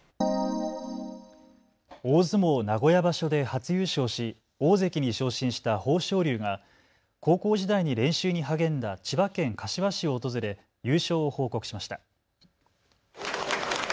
大相撲名古屋場所で初優勝し大関に昇進した豊昇龍が高校時代に練習に励んだ千葉県柏市を訪れ、優勝を報告しました。